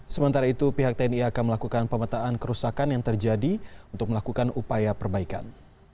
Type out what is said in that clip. sementara itu pihak tni akan melakukan pemetaan kerusakan yang terjadi untuk melakukan upaya perbaikan